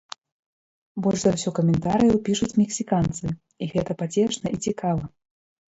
Больш за ўсё каментарыяў пішуць мексіканцы, і гэта пацешна і цікава.